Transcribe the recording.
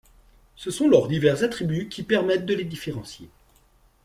Ce sont leurs divers attributs qui permettent de les différencier.